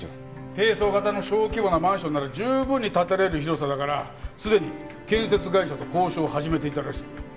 低層型の小規模なマンションなら十分に建てられる広さだからすでに建設会社と交渉を始めていたらしい。